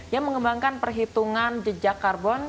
yang mengembangkan perhitungan jejak karbon